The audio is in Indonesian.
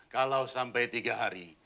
kalau sampai tiga hari